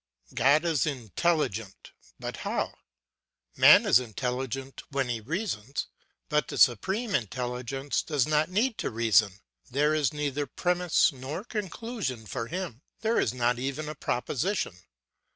God is intelligent, but how? Man is intelligent when he reasons, but the Supreme Intelligence does not need to reason; there is neither premise nor conclusion for him, there is not even a proposition.